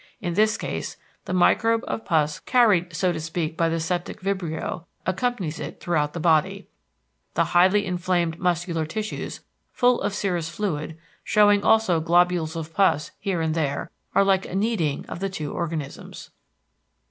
In this case the microbe of pus carried so to speak by the septic vibrio, accompanies it throughout the body: the highly inflamed muscular tissues, full of serous fluid, showing also globules of pus here and there, are like a kneading of the two organisms.